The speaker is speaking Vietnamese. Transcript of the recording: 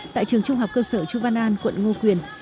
tại trường trung học cơ sở chu văn an quận ngô quyền